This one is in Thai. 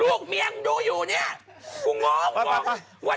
ลึกกว่านิดสักนิดได้ไหม